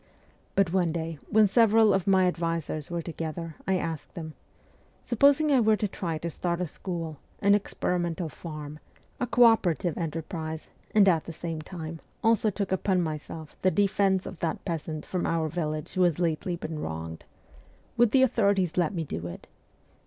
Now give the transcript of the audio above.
But one day, when several of my advisers were together, I asked them :' Supposing I were to try to start a school, an experimental farm, a co operative enterprise, and, at the same time, also took upon my self the defence of that peasant from our village who has lately been wronged would the authorities let me do it